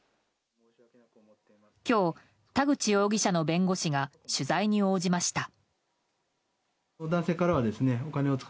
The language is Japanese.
今日、田口容疑者の弁護士が取材に応じました。